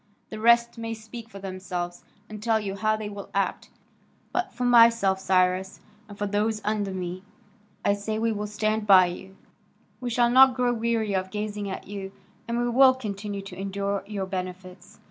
The rest may speak for themselves, and tell you how they will act, but for myself, Cyrus, and for those under me, I say we will stand by you; we shall not grow weary of gazing at you, and we will continue to endure your benefits."